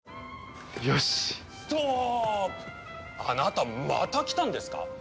あなたまた来たんですか？